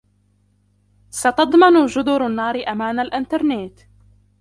ستضمن جُدُر النار أمان الإنترنت.